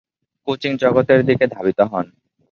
Coaching জগতের দিকে ধাবিত হন।